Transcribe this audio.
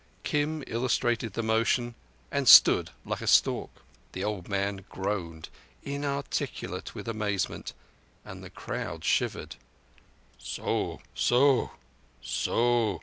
Kim illustrated the motion and stood like a stork. The old man groaned, inarticulate with amazement; and the crowd shivered. "So—so—so.